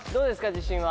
自信は。